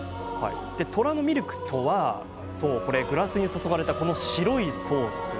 虎のミルクとはグラスに注がれたこの白いソース。